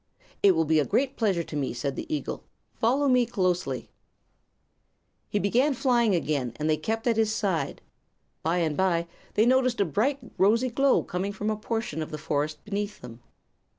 "It will be a great pleasure to me," said the eagle. "Follow me closely, please." He began flying again, and they kept at his side. By and by they noticed a bright, rosy glow coming from a portion of the forest beneath them.